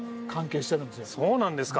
そうなんですか。